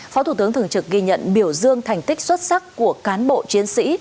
phó thủ tướng thường trực ghi nhận biểu dương thành tích xuất sắc của cán bộ chiến sĩ